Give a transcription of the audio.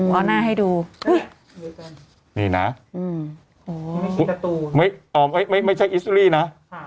ไม่ไม่ใช่อิสลี้นะ